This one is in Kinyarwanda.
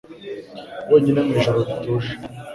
Wenyine, mu ijoro rituje,